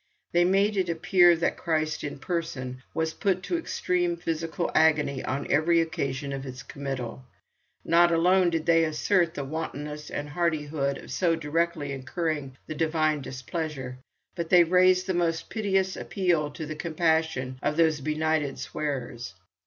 They made it appear that Christ in person was put to extreme physical agony on every occasion of its committal. Not alone did they assert the wantonness and hardihood of so directly incurring the Divine displeasure, but they raised the most piteous appeal to the compassion of these benighted swearers.